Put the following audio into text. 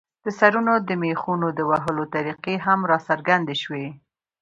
د سرونو د مېخونو د وهلو طریقې هم راڅرګندې شوې.